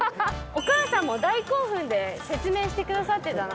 お母さんも大興奮で説明してくださってたので。